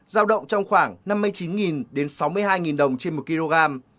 giao động trong khoảng năm mươi chín đến sáu mươi hai đồng trên một kg